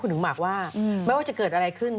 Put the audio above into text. พูดถึงมาร์คว่าไม่ว่าจะเกิดอะไรขึ้น